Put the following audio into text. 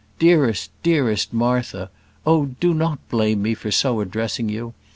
Dearest, dearest Martha oh do not blame me for so addressing you!